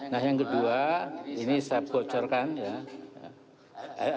nah yang kedua ini saya bocorkan ya